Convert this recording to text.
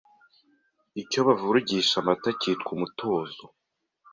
Icyo bavurugisha Amata cyitwa Umutozo